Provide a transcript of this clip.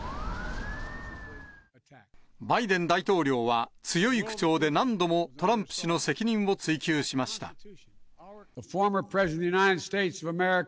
バイデン大統領は強い口調で何度もトランプ氏の責任を追及しました。